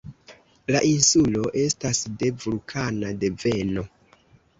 La insulo estas de vulkana deveno.